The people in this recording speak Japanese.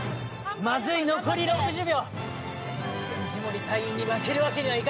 まずい、残り６０秒！